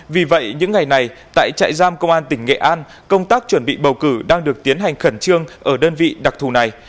vì vậy những ngày này tại trại giam công an tỉnh nghệ an công tác chuẩn bị bầu cử đang được tiến hành khẩn trương ở đơn vị đặc thù này